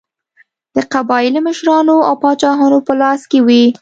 د قبایلي مشرانو او پاچاهانو په لاس کې وې.